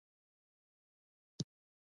دا چې دغه پېښه رامنځته کېږي که نه.